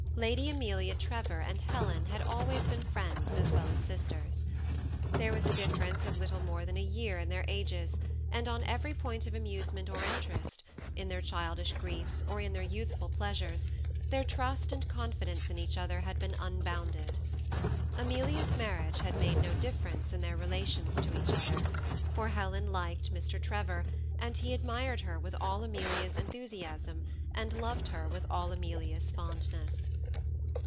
Lady Amelia Tre vor and Helen had always been friends as well as sis ters. There was a difference of little more than a year in their ages, and on every point of amusement or in terest — in their childish griefs, or their youthful pleas ures — their trust and confidence in each other had been unbounded. Amelia's marriage had made no difference in their relations to each other, for Helen liked Mr. Trevor, and he admired her with all Amelia's enthusiasm, and loved her with all Amelia's fondness.